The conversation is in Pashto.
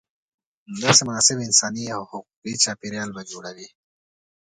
داسې مناسب انساني او حقوقي چاپېریال به جوړوې.